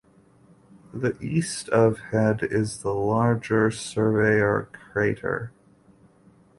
To the east of Head is the larger Surveyor crater.